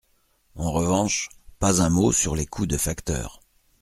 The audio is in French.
En revanche, pas un mot sur les coûts de facteurs.